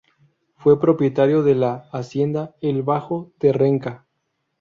Fue propietario de la hacienda "El Bajo" de Renca.